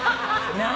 何？